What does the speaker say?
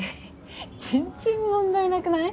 全然問題なくない？